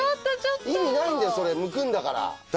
意味ないんだよそれむくんだから。